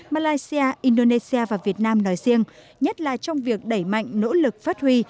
malaysia indonesia và việt nam nói riêng nhất là trong việc đẩy mạnh nỗ lực phát huy